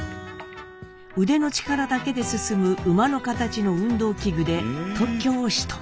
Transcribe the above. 腕の力だけで進む馬の形の運動器具で特許を取得。